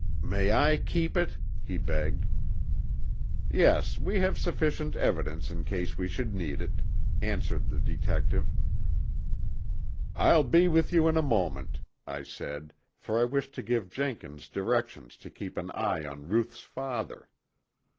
"May I keep it?" he begged. "Yes, we have sufficient evidence in case we should need it," answered the detective. "I'll be with you in a moment," I said, for I wished to give Jenkins directions to keep an eye on Ruth's father.